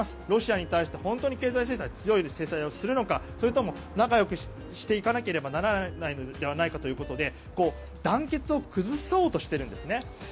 ロシアに対して本当に強い制裁をやるのかそれとも仲よくしていかなければならないのではないかということで団結を崩そうとしているんです。